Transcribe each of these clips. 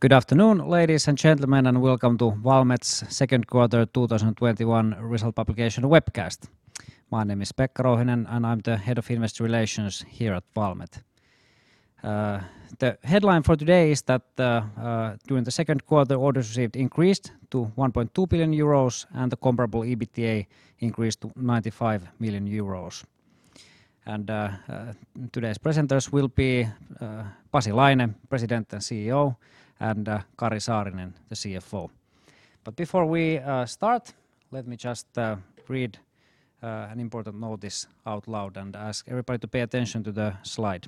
Good afternoon, ladies and gentlemen, welcome to Valmet's second quarter 2021 result publication webcast. My name is Pekka Rouhiainen, and I'm the Head of Investor Relations here at Valmet. The headline for today is that during the second quarter, orders received increased to 1.2 billion euros and the comparable EBITDA increased to 95 million euros. Today's presenters will be Pasi Laine, President and CEO, and Kari Saarinen, the CFO. Before we start, let me just read an important notice out loud and ask everybody to pay attention to the slide.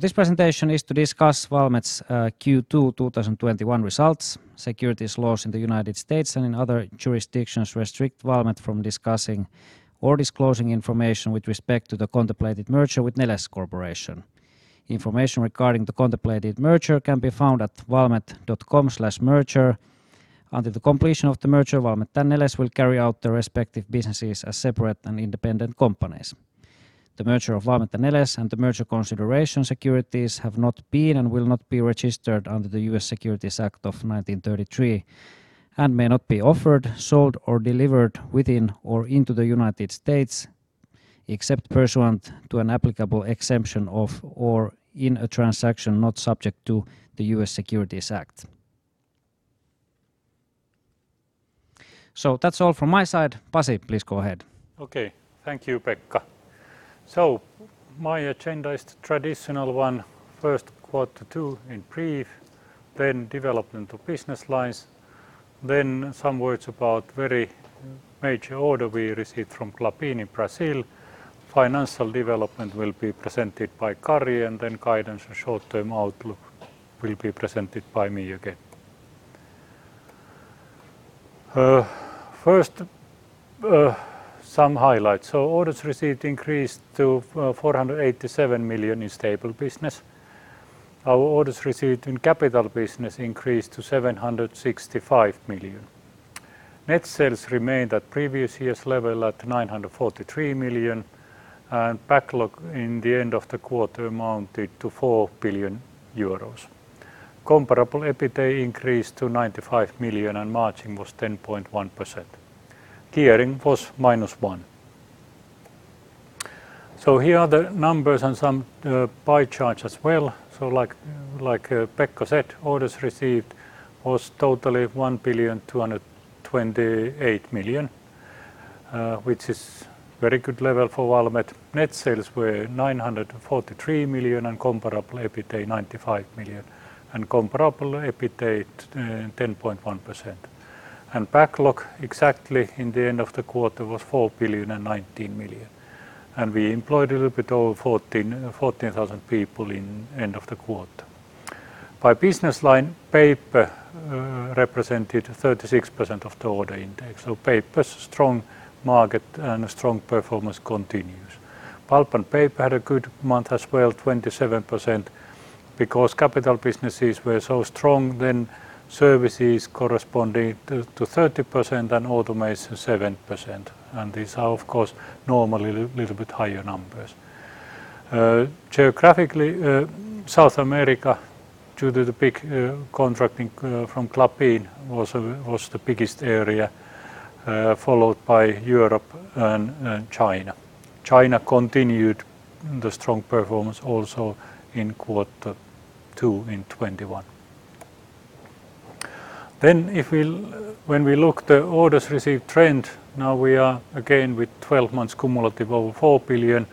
This presentation is to discuss Valmet's Q2 2021 results. Securities laws in the United States and in other jurisdictions restrict Valmet from discussing or disclosing information with respect to the contemplated merger with Neles Corporation. Information regarding the contemplated merger can be found at valmet.com/merger. Under the completion of the merger, Valmet and Neles will carry out their respective businesses as separate and independent companies. The merger of Valmet and Neles and the merger consideration securities have not been and will not be registered under the US Securities Act of 1933 and may not be offered, sold, or delivered within or into the United States except pursuant to an applicable exemption of or in a transaction not subject to the US Securities Act. That's all from my side. Pasi, please go ahead. Okay. Thank you, Pekka. My agenda is the traditional one. First, quarter two in brief, then development of business lines, then some words about very major order we received from Klabin in Brazil. Financial development will be presented by Kari, and then guidance and short-term outlook will be presented by me again. First, some highlights. Orders received increased to 487 million in stable business. Our orders received in capital business increased to 765 million. Net sales remained at previous year's level at 943 million, and backlog in the end of the quarter amounted to 4 billion euros. Comparable EBITDA increased to 95 million, and margin was 10.1%. gearing was -1. Here are the numbers and some pie charts as well. Like Pekka said, orders received was totally 1,228 million, which is very good level for Valmet. Net sales were 943 million and comparable EBITDA 95 million, and comparable EBITDA 10.1%. Backlog exactly in the end of the quarter was 4.019 billion. We employed a little bit over 14,000 people in end of the quarter. By business line, paper represented 36% of the order index. Paper, strong market and a strong performance continues. Pulp and paper had a good month as well, 27%, because capital businesses were so strong then services corresponding to 30% and automation 7%. These are, of course, normally little bit higher numbers. Geographically, South America, due to the big contracting from Klabin was the biggest area, followed by Europe and China. China continued the strong performance also in quarter two in 2021. When we look the orders received trend, now we are again with 12 months cumulative over 4 billion,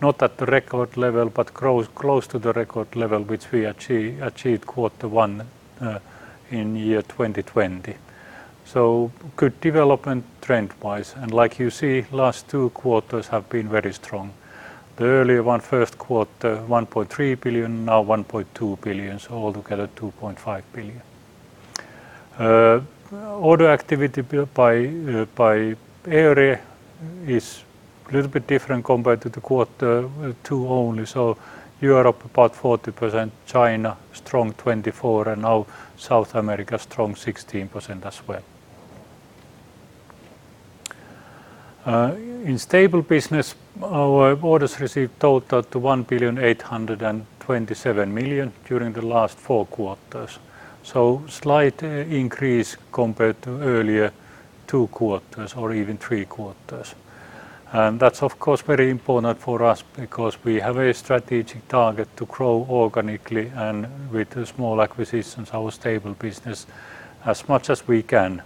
not at the record level, but close to the record level, which we achieved Q1 in 2020. Good development trend-wise. Like you see, last two quarters have been very strong. The earlier one, Q1, 1.3 billion, now 1.2 billion, altogether 2.5 billion. Order activity built by area is little bit different compared to the Q2 only. Europe about 40%, China strong 24%, and now South America strong 16% as well. In stable business, our orders received totaled to 1,827,000,000 during the last four quarters. Slight increase compared to earlier two quarters or even three quarters. That's of course very important for us because we have a strategic target to grow organically and with the small acquisitions our stable business as much as we can.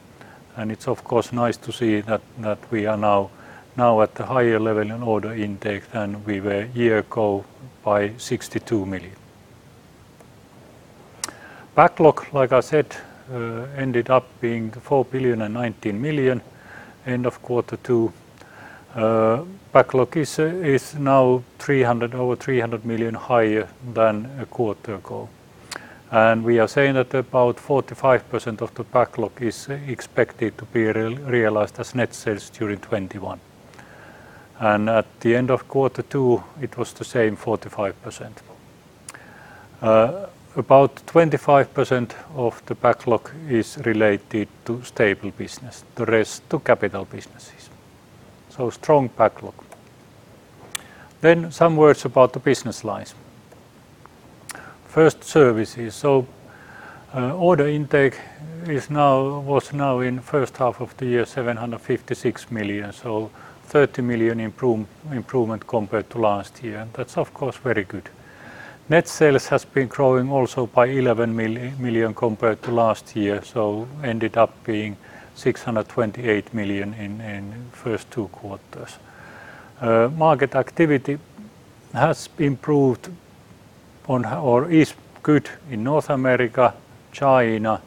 It's of course nice to see that we are now at the higher level in order intake than we were a year ago by 62 million. Backlog, like I said, ended up being 4,019,000,000 end of quarter two. Backlog is now over 300 million higher than a quarter ago. We are saying that about 45% of the backlog is expected to be realized as net sales during 2021. At the end of quarter two, it was the same 45%. About 25% of the backlog is related to stable business, the rest to capital businesses. Strong backlog. Some words about the business lines. First, services. Order intake was now in first half of the year 756 million. 30 million improvement compared to last year. That's of course very good. Net sales has been growing also by 11 million compared to last year, so ended up being 628 million in first two quarters. Market activity has improved or is good in North America, China.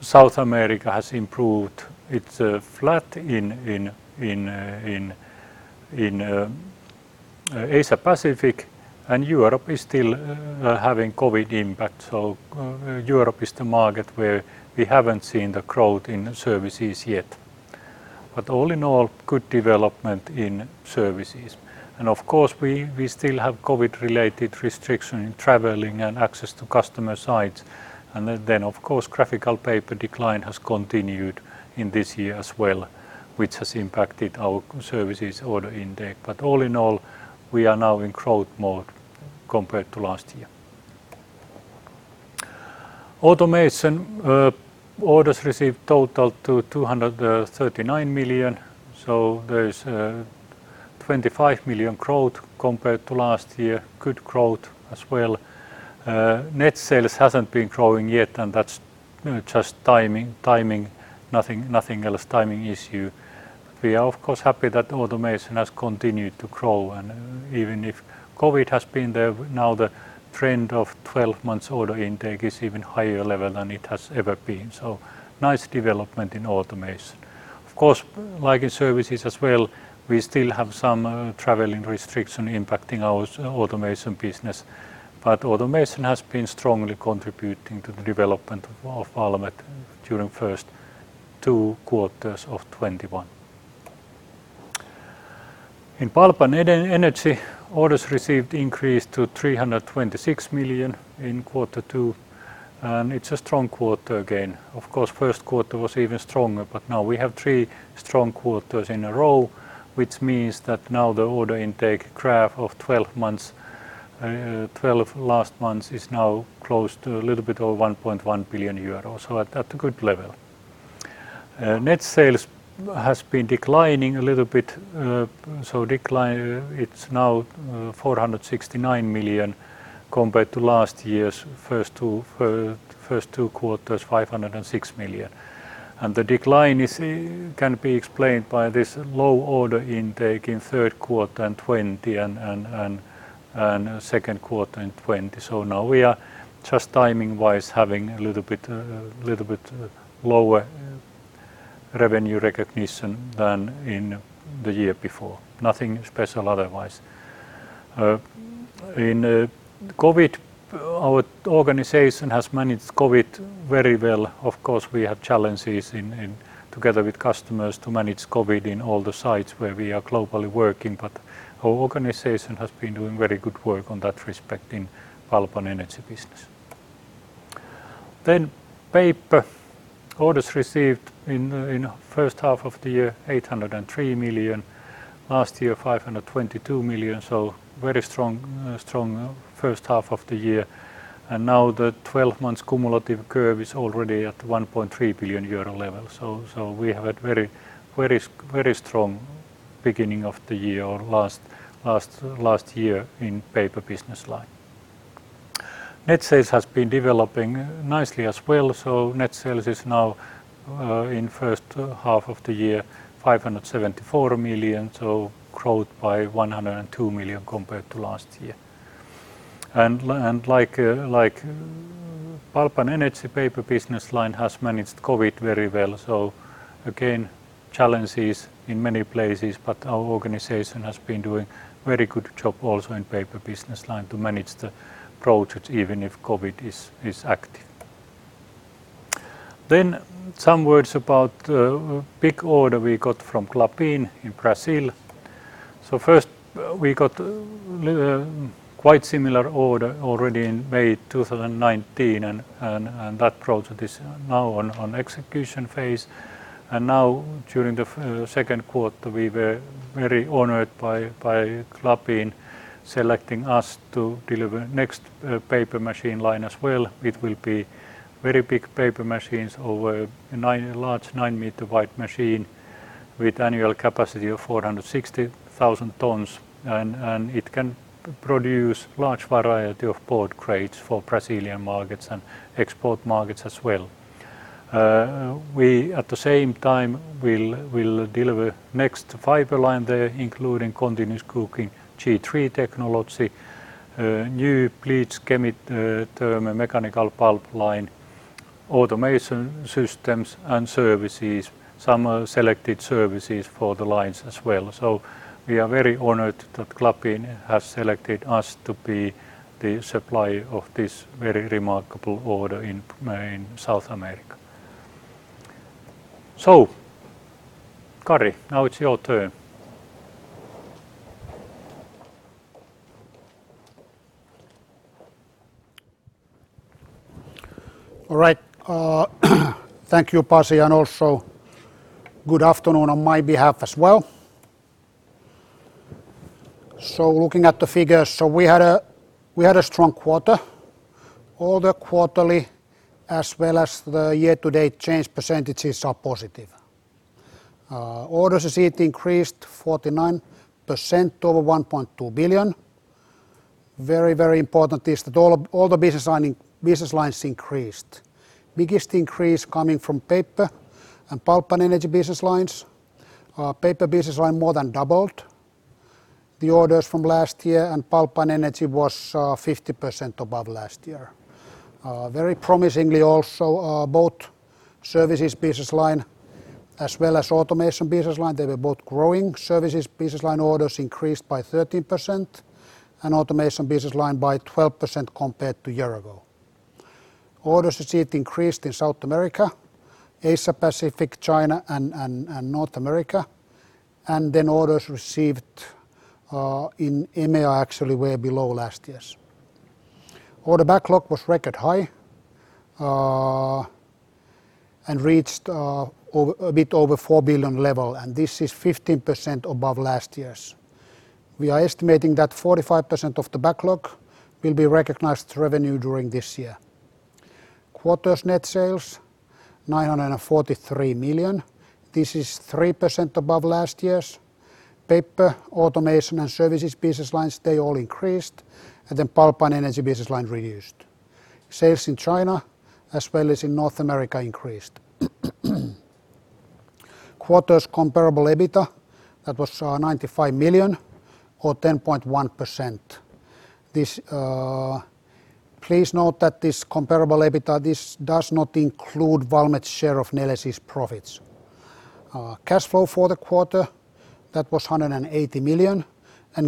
South America has improved. It's flat in Asia Pacific, and Europe is still having COVID impact. Europe is the market where we haven't seen the growth in services yet. All in all, good development in services. Of course, we still have COVID-related restriction in traveling and access to customer sites. Of course, graphical paper decline has continued in this year as well, which has impacted our services order intake. All in all, we are now in growth mode compared to last year. Automation orders received total to EUR 239 million, compared to last year. Like Pulp and Energy, Paper Business Line has managed COVID very well. Again, challenges in many places, but our organization has been doing very good job also in paper business line to manage the projects even if COVID is active. Some words about a big order we got from Klabin in Brazil. First, we got quite similar order already in May 2019, and that project is now on execution phase. Now during the second quarter, we were very honored by Klabin selecting us to deliver next paper machine line as well, which will be very big paper machines, a large 9-meter wide machine with annual capacity of 460,000 tons, and it can produce large variety of board grades for Brazilian markets and export markets as well. We at the same time will deliver next fiber line there, including Continuous Cooking G3 technology, new bleached chemi-thermomechanical pulp line, automation systems and services, some selected services for the lines as well. We are very honored that Klabin has selected us to be the supplier of this very remarkable order in South America. Kari, now it’s your turn. All right. Thank you, Pasi, and also good afternoon on my behalf as well. Looking at the figures, we had a strong quarter. All the quarterly as well as the year-to-date change percentages are positive. Orders received increased 49% to over 1.2 billion. Very important is that all the business lines increased. Biggest increase coming from Paper and Pulp and Energy Business Lines. Paper Business Line more than doubled the orders from last year, and Pulp and Energy was 50% above last year. Very promisingly also, both Services Business Line as well as Automation Business Line, they were both growing. Services Business Line orders increased by 13% and Automation Business Line by 12% compared to year ago. Orders received increased in South America, Asia-Pacific, China, and North America. Orders received in EMEA actually were below last year's. Order backlog was record high and reached a bit over 4 billion level, this is 15% above last year's. We are estimating that 45% of the backlog will be recognized revenue during this year. Quarter's net sales 943 million. This is 3% above last year's. Paper, automation, and services business lines, they all increased, pulp and energy business line reduced. Sales in China as well as in North America increased. Quarter's comparable EBITDA, that was 95 million or 10.1%. Please note that this comparable EBITDA, this does not include Valmet's share of Neles' profits. Cash flow for the quarter, that was 180 million,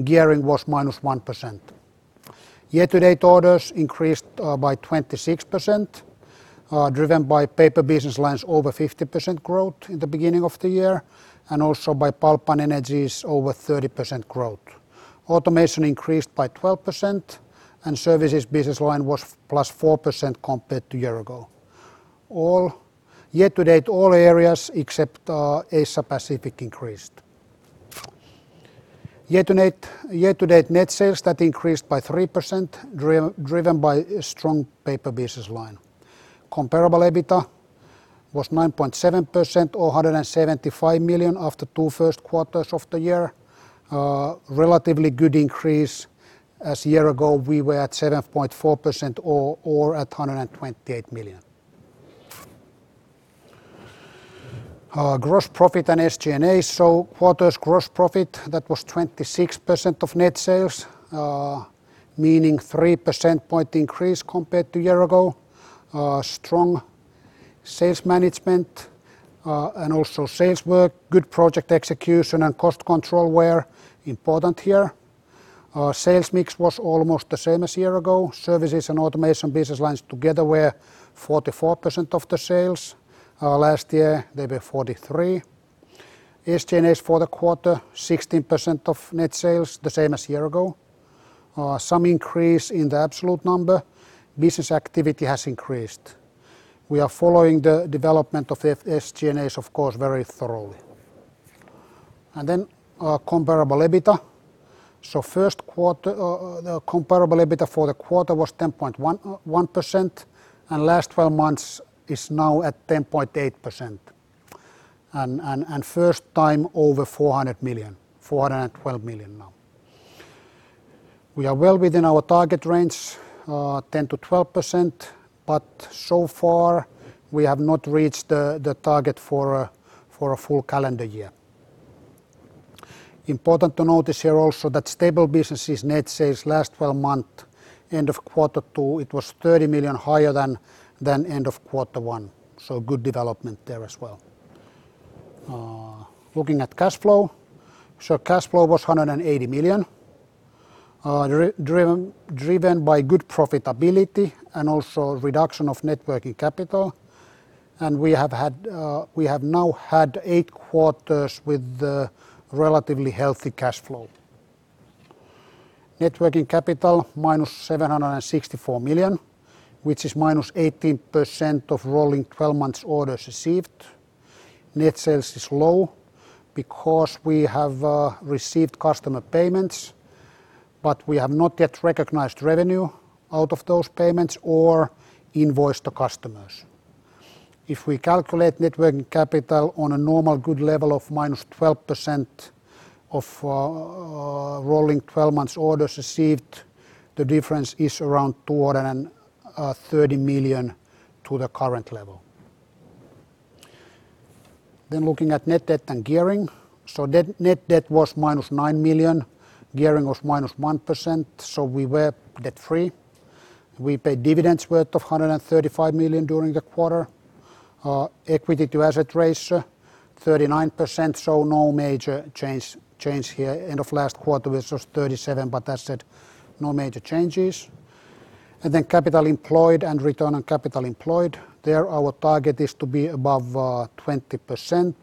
gearing was -1%. Year-to-date orders increased by 26%, driven by paper business lines over 50% growth in the beginning of the year and also by pulp and energies over 30% growth. Automation increased by 12%, and services business line was +4% compared to year ago. Year-to-date, all areas except Asia-Pacific increased. Year-to-date net sales, that increased by 3%, driven by a strong paper business line. Comparable EBITDA was 9.7% or 175 million after two first quarters of the year. A relatively good increase, as year ago we were at 7.4% or at 128 million. Gross profit and SG&A. Quarter's gross profit, that was 26% of net sales, meaning 3% point increase compared to year ago. Strong sales management and also sales work, good project execution, and cost control were important here. Sales mix was almost the same as year ago. Services and Automation business lines together were 44% of the sales. Last year they were 43%. SG&A for the quarter, 16% of net sales, the same as year ago. Some increase in the absolute number. Business activity has increased. We are following the development of SG&A, of course, very thoroughly. Comparable EBITDA. The comparable EBITDA for the quarter was 10.1%, and last 12 months is now at 10.8%. First time over 400 million, 412 million now. We are well within our target range, 10%-12%, but so far we have not reached the target for a full calendar year. Important to notice here also that stable businesses net sales last 12 month, end of quarter two, it was 30 million higher than end of quarter one. Good development there as well. Looking at cash flow. Cash flow was 180 million, driven by good profitability and also reduction of net working capital. We have now had eight quarters with a relatively healthy cash flow. Net working capital minus 764 million, which is minus 18% of rolling 12 months orders received. Net sales is low because we have received customer payments, but we have not yet recognized revenue out of those payments or invoiced the customers. If we calculate net working capital on a normal good level of minus 12% of rolling 12 months orders received, the difference is around 230 million to the current level. Looking at net debt and gearing. net debt was minus 9 million. gearing was minus 1%, so we were debt-free. We paid dividends worth of 135 million during the quarter. Equity to asset ratio 39%, so no major change here. End of last quarter was just 37%, but as said, no major changes. capital employed and return on capital employed. There our target is to be above 20%,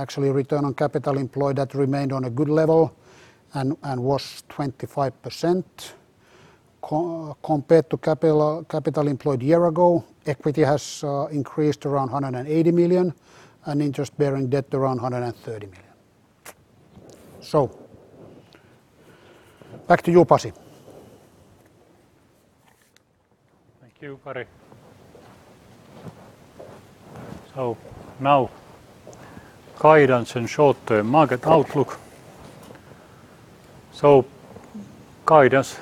actually return on capital employed, that remained on a good level and was 25% compared to capital employed a year ago, equity has increased around 180 million and interest-bearing debt around 130 million. Back to you, Pasi. Thank you, Kari. Now guidance and short-term market outlook. Guidance,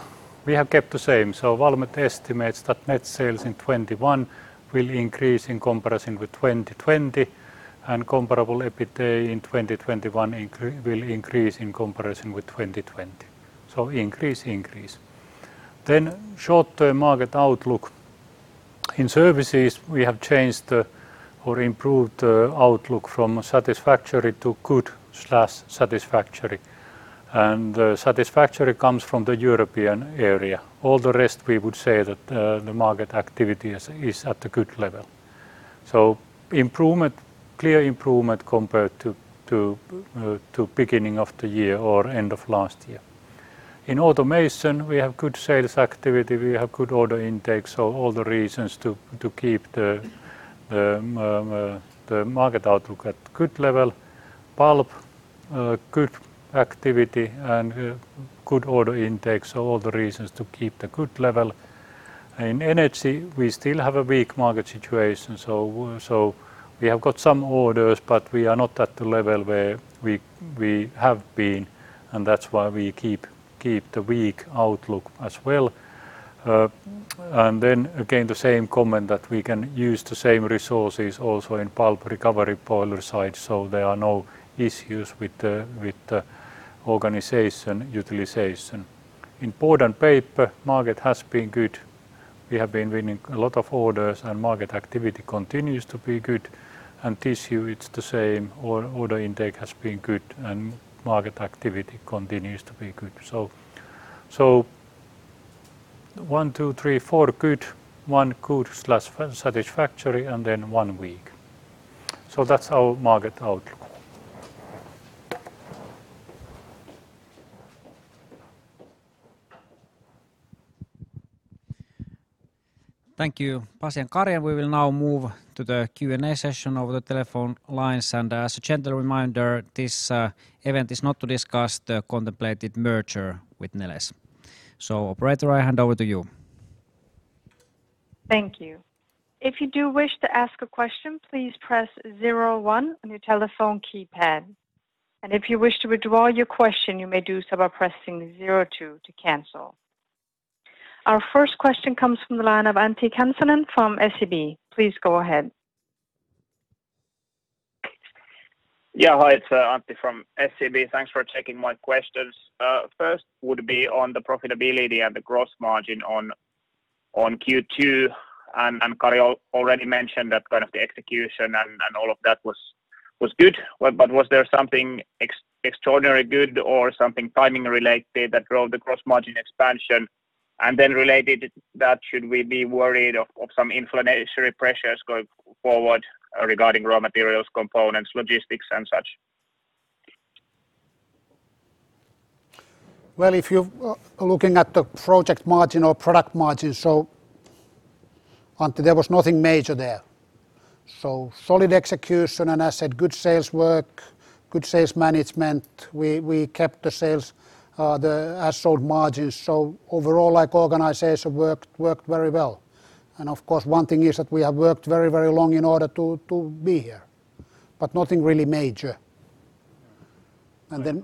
we have kept the same. Valmet estimates that net sales in 2021 will increase in comparison with 2020, and comparable EBITDA in 2021 will increase in comparison with 2020. Increase, increase. Short-term market outlook. In services, we have changed or improved the outlook from satisfactory to good/satisfactory. Satisfactory comes from the European area. All the rest, we would say that the market activity is at a good level. Clear improvement compared to beginning of the year or end of last year. In automation, we have good sales activity, we have good order intakes, so all the reasons to keep the market outlook at good level. Pulp, good activity and good order intakes, so all the reasons to keep the good level. In energy, we still have a weak market situation. We have got some orders, but we are not at the level where we have been, and that's why we keep the weak outlook as well. Then again, the same comment that we can use the same resources also in pulp recovery boiler side. There are no issues with the organization utilization. In board and paper, market has been good. We have been winning a lot of orders and market activity continues to be good. Tissue, it's the same, order intake has been good and market activity continues to be good. one, two, three, four good, one good/satisfactory, and then one weak. That's our market outlook. Thank you, Pasi and Kari. We will now move to the Q&A session over the telephone lines. As a gentle reminder, this event is not to discuss the contemplated merger with Neles. Operator, I hand over to you. Thank you. If you do wish to ask a question, please press zero one on your telephone keypad. If you wish to withdraw your question, you may do so by pressing zero two to cancel. Our first question comes from the line of Antti Kansanen from SEB. Please go ahead. Yeah. Hi, it's Antti from SEB. Thanks for taking my questions. First would be on the profitability and the gross margin on Q2. Kari already mentioned that kind of the execution and all of that was good. Was there something extraordinary good or something timing related that drove the gross margin expansion? Related to that, should we be worried of some inflationary pressures going forward regarding raw materials, components, logistics, and such? If you're looking at the project margin or product margin, Antti, there was nothing major there. Solid execution and as said, good sales work, good sales management. We kept the as sold margins. Overall, organization worked very well. Of course, one thing is that we have worked very long in order to be here, but nothing really major. Yeah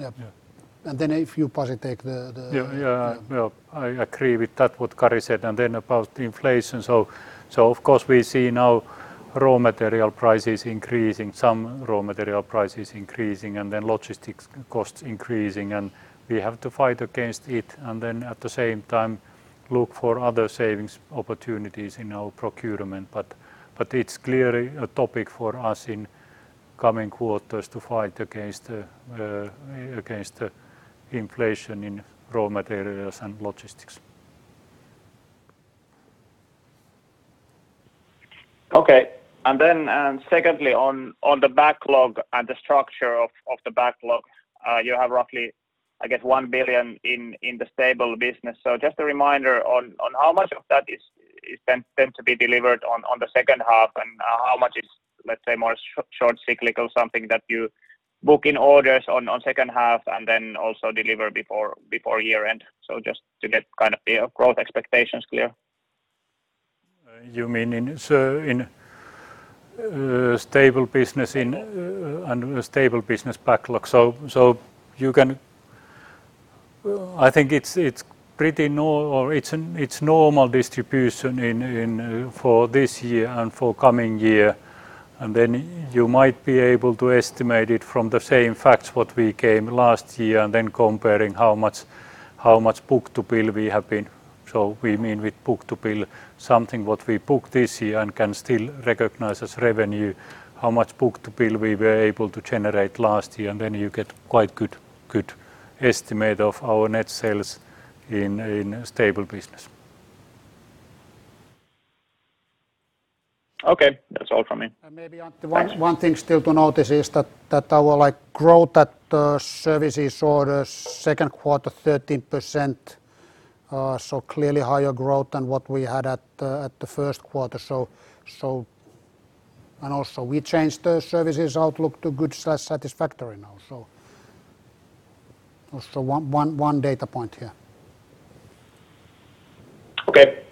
Yeah. If you, Pasi. Yeah. I agree with that what Kari said. About inflation, of course we see now raw material prices increasing, some raw material prices increasing, and then logistics costs increasing, and we have to fight against it. At the same time, look for other savings opportunities in our procurement. It's clearly a topic for us in coming quarters to fight against the inflation in raw materials and logistics. Okay. Secondly, on the backlog and the structure of the backlog, you have roughly I guess 1 billion in the stable business. Just a reminder on how much of that is meant to be delivered on the second half, and how much is, let's say, more short cyclical, something that you book in orders on second half and then also deliver before year-end? Just to get kind of the growth expectations clear. You mean in stable business and stable business backlog. I think it's normal distribution for this year and for coming year. Then you might be able to estimate it from the same facts what we came last year, and then comparing how much book-to-bill we have been. We mean with book-to-bill something what we book this year and can still recognize as revenue, how much book-to-bill we were able to generate last year, and then you get quite good estimate of our net sales in stable business. Okay. That's all from me. Maybe, Antti- Thanks One thing still to notice is that our growth at services orders second quarter 13%, so clearly higher growth than what we had at the first quarter. Also we changed the services outlook to good/satisfactory now. One data point here.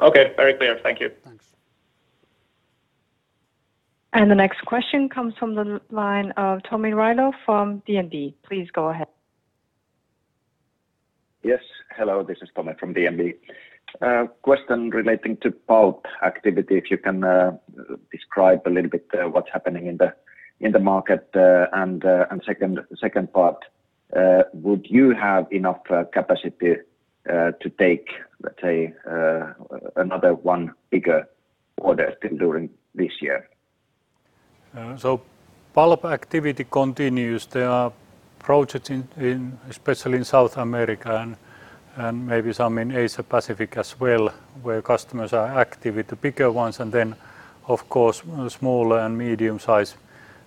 Okay. Very clear. Thank you. Thanks. The next question comes from the line of Tomi Railo from DNB. Please go ahead. Yes. Hello, this is Tomi Railo from DNB. A question relating to pulp activity, if you can describe a little bit what's happening in the market? Second part, would you have enough capacity to take, let's say, another one bigger order still during this year? Pulp activity continues. There are projects especially in South America and maybe some in Asia-Pacific as well, where customers are active with the bigger ones. Of course, small and medium-size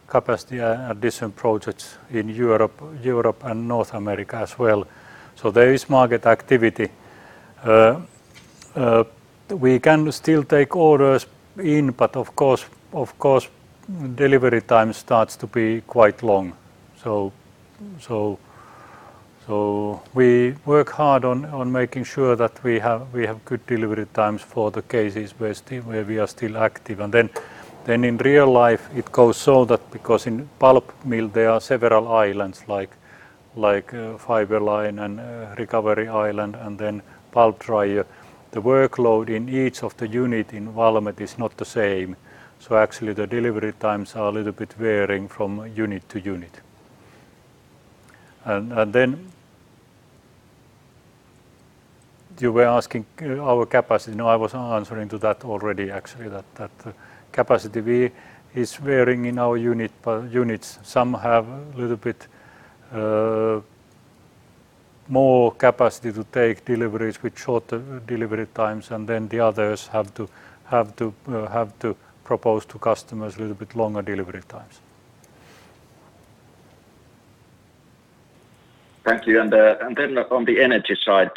capacity addition projects in Europe and North America as well. There is market activity. We can still take orders in, but of course, delivery time starts to be quite long. We work hard on making sure that we have good delivery times for the cases where we are still active. In real life, it goes so that because in pulp mill, there are several islands like fiber line and recovery island and then pulp dryer. The workload in each of the unit in Valmet is not the same. Actually, the delivery times are a little bit varying from unit to unit. You were asking our capacity. I was answering to that already actually, that capacity is varying in our units. Some have a little bit more capacity to take deliveries with shorter delivery times. The others have to propose to customers a little bit longer delivery times. Thank you. Then on the energy side,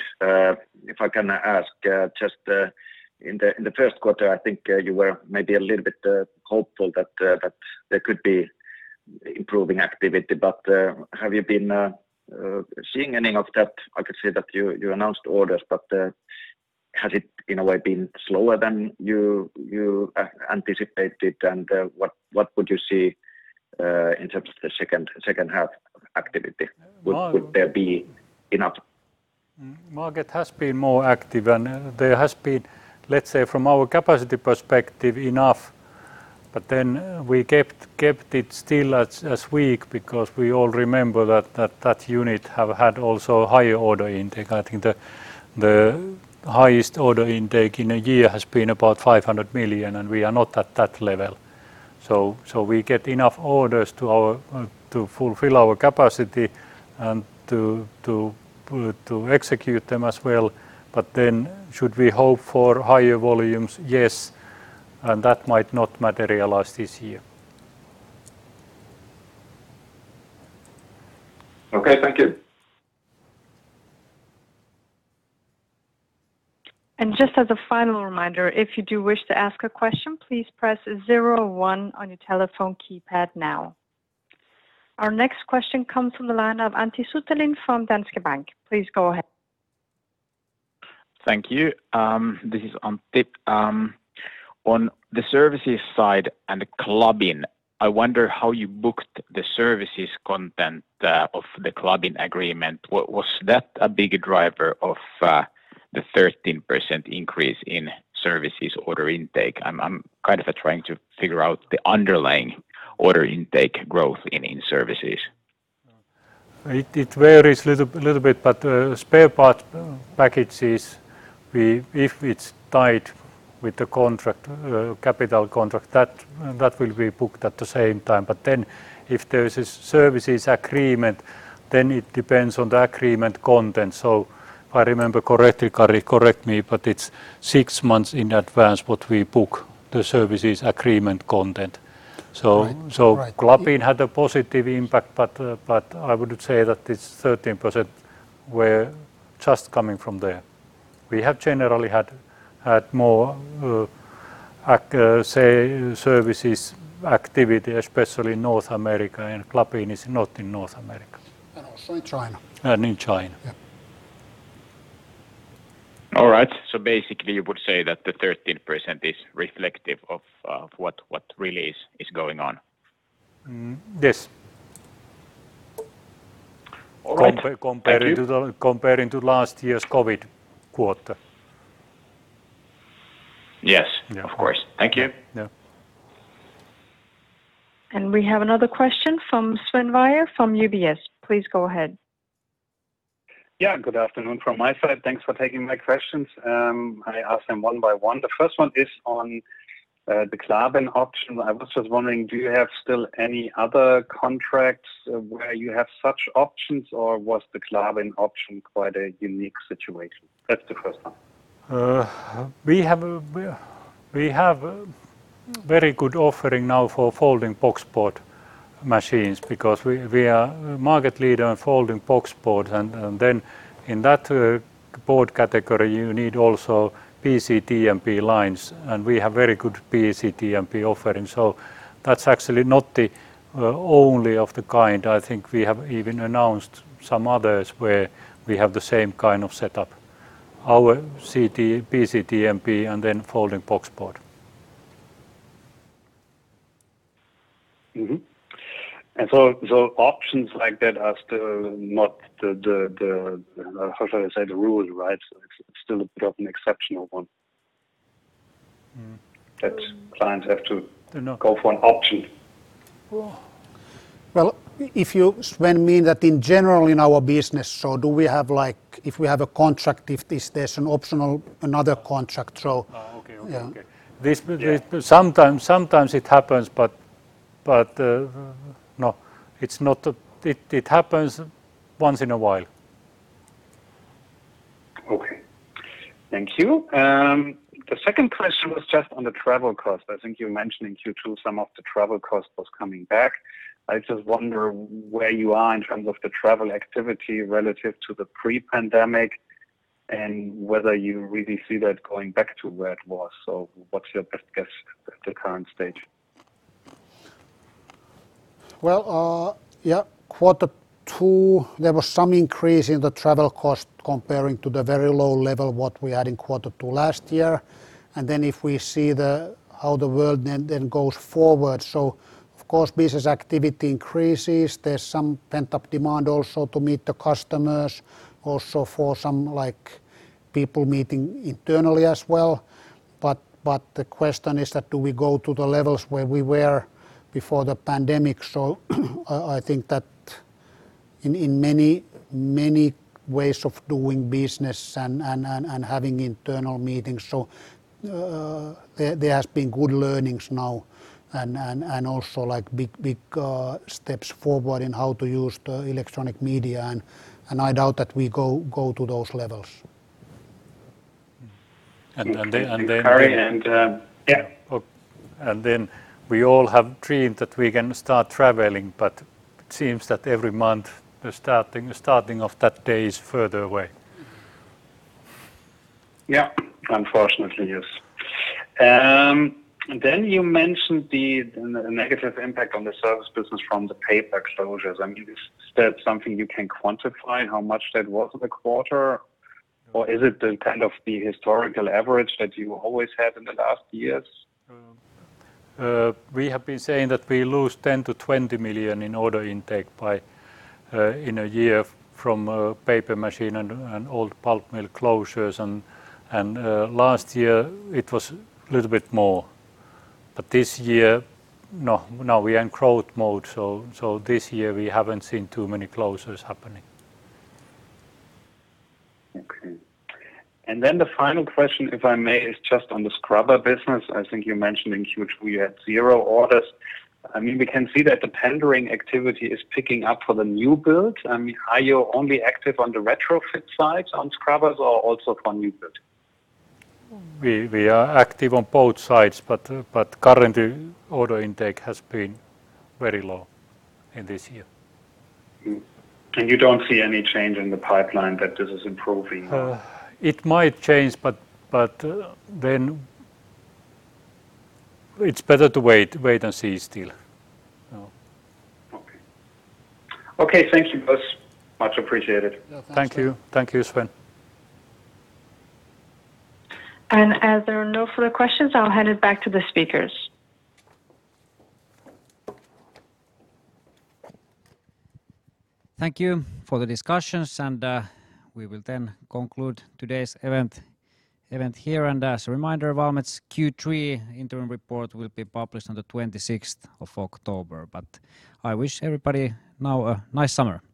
if I can ask, just in the first quarter, I think you were maybe a little bit hopeful that there could be improving activity. Have you been seeing any of that? I could see that you announced orders, but has it in a way been slower than you anticipated? What would you see in terms of the second half activity? Would there be enough? Market has been more active. There has been, let's say, from our capacity perspective, enough. We kept it still as weak because we all remember that that unit have had also higher order intake. I think the highest order intake in a year has been about 500 million. We are not at that level. We get enough orders to fulfill our capacity and to execute them as well. Should we hope for higher volumes? Yes. That might not materialize this year. Okay. Thank you. Just as a final reminder, if you do wish to ask a question, please press zero one on your telephone keypad now. Our next question comes from the line of Antti Suttelin from Danske Bank. Please go ahead. Thank you. This is Antti. On the services side and Klabin, I wonder how you booked the services content of the Klabin agreement. Was that a big driver of the 13% increase in services order intake? I'm kind of trying to figure out the underlying order intake growth in services. It varies little bit, spare parts packages, if it's tied with the capital contract, that will be booked at the same time. If there is a services agreement, then it depends on the agreement content. If I remember correctly, Kari, correct me, but it's six months in advance what we book the services agreement content. Right. Klabin had a positive impact, but I wouldn't say that it's 13% were just coming from there. We have generally had more services activity, especially in North America, and Klabin is not in North America. Also in China. In China. Yeah. All right. Basically you would say that the 13% is reflective of what really is going on? Yes. All right. Thank you. Comparing to last year's COVID quarter. Yes. Yeah. Of course. Thank you. Yeah. We have another question from Sven Weier from UBS. Please go ahead. Yeah. Good afternoon from my side. Thanks for taking my questions. I ask them one by one. The first one is on the Klabin option. I was just wondering, do you have still any other contracts where you have such options, or was the Klabin option quite a unique situation? That's the first one. We have a very good offering now for folding boxboard machines because we are market leader in folding boxboard. In that board category, you need also BCTMP lines, and we have very good BCTMP offering. That's actually not the only of the kind. I think we have even announced some others where we have the same kind of setup. Our BCTMP and then folding boxboard. Mm-hmm. Options like that are still not the, how should I say, the rules, right? It's still a bit of an exceptional one. That clients have to. They're not. go for an option. Well, if you, Sven, mean that in general in our business, do we have, if we have a contract, if there's an optional, another contract. Oh, okay. Yeah. Sometimes it happens, but no, it happens once in a while. Okay. Thank you. The second question was just on the travel cost. I think you mentioned in Q2 some of the travel cost was coming back. I just wonder where you are in terms of the travel activity relative to the pre-pandemic, and whether you really see that going back to where it was. What's your best guess at the current stage? Yeah, quarter two, there was some increase in the travel cost comparing to the very low level, what we had in quarter two last year. If we see how the world then goes forward, so of course, business activity increases. There's some pent-up demand also to meet the customers, also for some people meeting internally as well. The question is that do we go to the levels where we were before the pandemic? I think that in many ways of doing business and having internal meetings, so there has been good learnings now and also big steps forward in how to use the electronic media, and I doubt that we go to those levels. And then- Thank you, Kari, and yeah. We all have dreamed that we can start traveling, but it seems that every month the starting of that day is further away. Yeah. Unfortunately, yes. You mentioned the negative impact on the service business from the paper exposures. Is that something you can quantify how much that was in the quarter? Or is it the kind of the historical average that you always had in the last years? We have been saying that we lose 10 million-20 million in order intake by in a year from a paper machine and old pulp mill closures, and last year it was a little bit more. This year, no, we are in growth mode, so this year we haven't seen too many closures happening. Okay. The final question, if I may, is just on the scrubber business. I think you mentioned in Q2 you had 0 orders. We can see that the tendering activity is picking up for the new build. Are you only active on the retrofit side on scrubbers or also on new build? We are active on both sides, but currently order intake has been very low this year. You don't see any change in the pipeline that this is improving? It might change, but then it's better to wait and see still. Okay. Thank you, both. Much appreciated. Thank you. Thank you, Sven. As there are no further questions, I'll hand it back to the speakers. Thank you for the discussions, and we will then conclude today's event here. As a reminder, Valmet's Q3 interim report will be published on the 26th of October. I wish everybody now a nice summer. Thank you. Thank you.